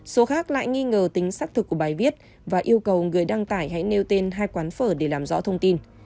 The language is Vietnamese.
số khác lại nghi ngờ tính xác thực của bài viết và yêu cầu người đăng tải hãy nêu tên hai quán phở để làm rõ thông tin